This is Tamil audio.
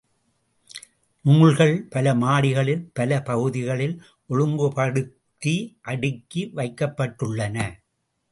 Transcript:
நூல்கள், பல மாடிகளில், பல பகுதிகளில், ஒழுங்குபடுக்தி, அடுக்கி வைக்கப்பட்டுள்ளன.